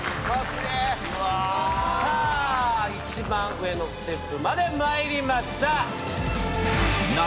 さぁ一番上のステップまでまいりました。